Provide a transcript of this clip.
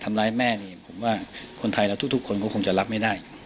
ทำร้ายแม่นี่ผมว่าคนไทยแล้วทุกคนก็คงจะรับไม่ได้